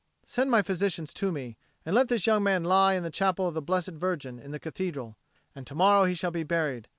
Send my physician to me. And let this young man lie in the Chapel of the Blessed Virgin in the Cathedral, and to morrow he shall be buried.